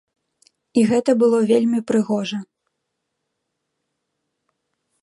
І гэта было вельмі прыгожа.